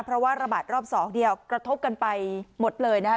เพราะว่าระบาดรอบสองเดียวกระทบกันไปหมดเลยนะคะ